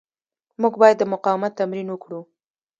موږ باید د مقاومت تمرین وکړو.